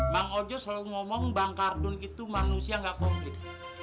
bang ojo selalu ngomong bang kardun itu manusia gak komplit